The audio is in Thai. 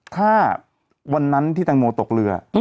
ถ้าวันนั้นที่แตงโมตกเรือ